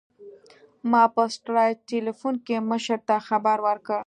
ما په سټلايټ ټېلفون کښې مشر ته خبر وركړ.